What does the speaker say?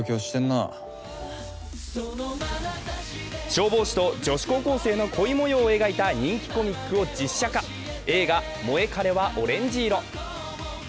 消防士と女子高校生の恋もようを描いた人気コミックを実写化映画「モエカレはオレンジ色」。